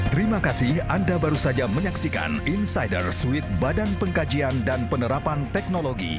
terima kasih anda baru saja menyaksikan insider suite badan pengkajian dan penerapan teknologi